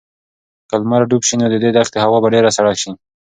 که لمر ډوب شي نو د دې دښتې هوا به ډېره سړه شي.